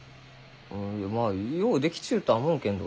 まあよう出来ちゅうとは思うけんど。